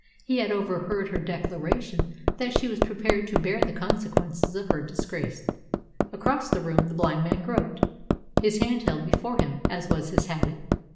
He had overheard her declaration that she was prepared to bear the consequences of her disgrace. Across the room the blind man groped, his hand held before him, as was his habit.